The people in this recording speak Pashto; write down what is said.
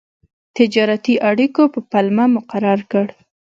تجارتي اړیکو په پلمه مقرر کړ.